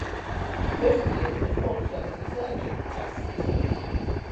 Most years there is also a circuit test.